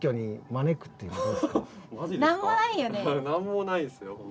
何もないですよ